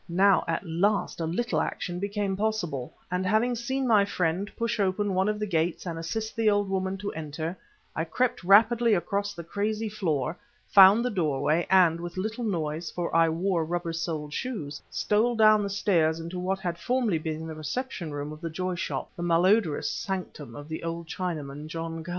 Now at last a little action became possible, and having seen my friend push open one of the gates and assist the old woman to enter, I crept rapidly across the crazy floor, found the doorway, and, with little noise, for I wore rubber soled shoes, stole down the stairs into what had formerly been the reception room of the Joy Shop, the malodorous sanctum of the old Chinaman, John Ki.